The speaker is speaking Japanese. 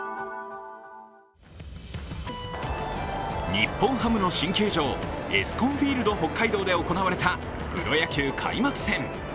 日本ハムの新球場、ＥＳＣＯＮＦＩＥＬＤＨＯＫＫＡＩＤＯで行われたプロ野球開幕戦。